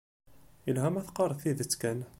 Yelha ma teqqareḍ tidet kan.